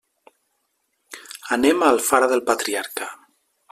Anem a Alfara del Patriarca.